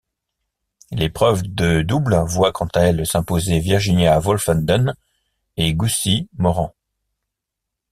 L'épreuve de double voit quant à elle s'imposer Virginia Wolfenden et Gussy Moran.